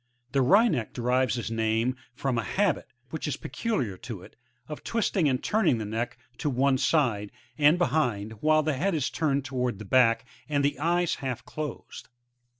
The Wryneck derives its name frotn a habit, which is peculiar to it, of twisting and turning the neck to one side, and behind, while the head is turned towards the back and the eyes Half closed.